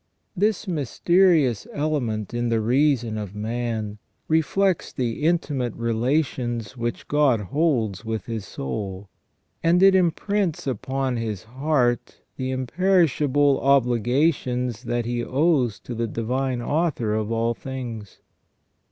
This mysterious element in the reason of man reflects the intimate relations which God holds with his soul, and it imprints upon his heart the imperish able obligations that he owes to the Divine Author of all things.